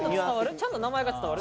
ちゃんと名前が伝わる？